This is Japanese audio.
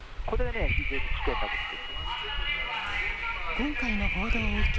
今回の報道を受け